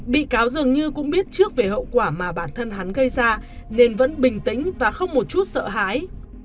bị cáo dường như cũng biết trước về hậu quả mà bản thân hắn gây ra nên vẫn bình tĩnh và không một chút sợ hãi